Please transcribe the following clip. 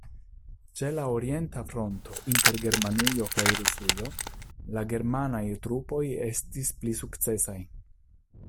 Ĉe la orienta fronto, inter Germanujo kaj Rusujo, la germanaj trupoj estis pli sukcesaj.